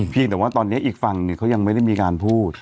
แต่ว่าตอนนี้อีกฝั่งหนึ่งเขายังไม่ได้มีการพูด